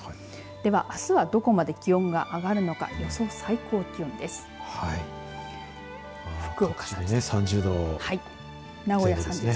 では、あすは気温がどこまで上がるのか予想最高気温です。